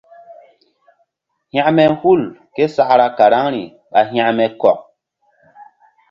Hȩkme hul késakra karaŋri ɓa hȩkme kɔk.